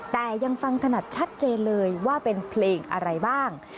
แต่ยังฟังถนัดชัดเจนเลยว่าเป็นเพลงอะไรบ้าง